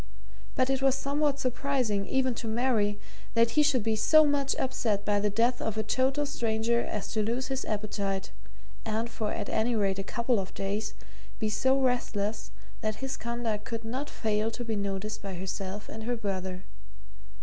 But it was somewhat surprising, even to Mary, that he should be so much upset by the death of a total stranger as to lose his appetite, and, for at any rate a couple of days, be so restless that his conduct could not fail to be noticed by herself and her brother.